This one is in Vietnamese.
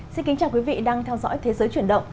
xin kính chào quý vị đang theo dõi thế giới chuyển động